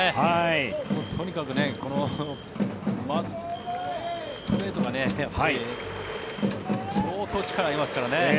とにかくストレートが相当力がありますからね。